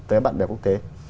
tới bạn đẹp quốc tế